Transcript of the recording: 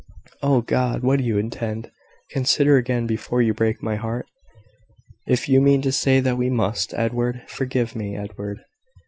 "Oh, God! what do you intend? Consider again, before you break my heart, if you mean to say that we must... Edward! forgive me, Edward!"